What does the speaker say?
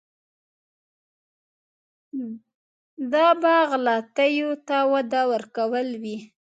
دا به غلطیو ته وده ورکول وي.